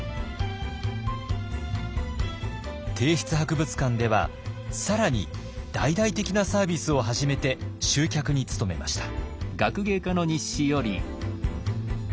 帝室博物館では更に大々的なサービスを始めて集客に努めました。